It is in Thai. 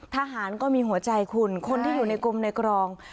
ทหารก็มีหัวใจคุณคนที่อยู่ในกรมในกรอง